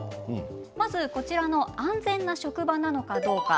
まず安全な職場なのかどうか。